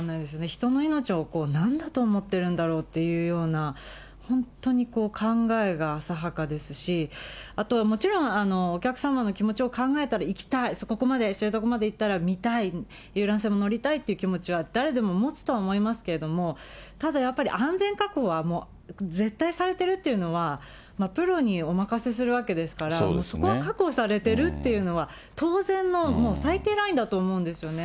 人の命をなんだと思ってるんだろうっていうような、本当に考えが浅はかですし、あとはもちろん、お客様の気持ちを考えたら、行きたい、ここまで、知床まで行ったら見たい、遊覧船も乗りたいっていう気持ちは誰でも持つとは思いますけれども、ただやっぱり、安全確保はもう、絶対されてるというのは、プロにお任せするわけですから、これが確保されているというのは、当然の、もう最低ラインだと思うんですよね。